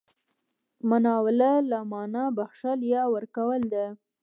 مناوله مانا بخښل، يا ورکول ده.